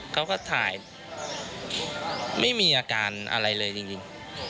เขาก็ถ่ายไม่มีอาการอะไรเลยจริง